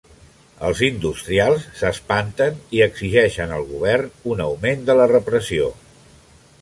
Els industrials s'espanten i exigeixen al govern un augment de la repressió.